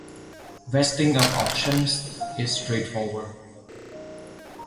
Vesting of options is straightforward.